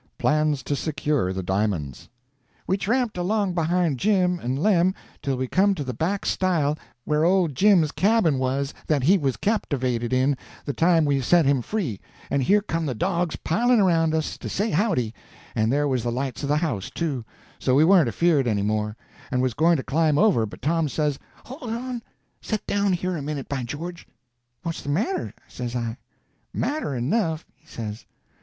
PLANS TO SECURE THE DIAMONDS We tramped along behind Jim and Lem till we come to the back stile where old Jim's cabin was that he was captivated in, the time we set him free, and here come the dogs piling around us to say howdy, and there was the lights of the house, too; so we warn't afeard any more, and was going to climb over, but Tom says: "Hold on; set down here a minute. By George!" "What's the matter?" says I. "Matter enough!" he says.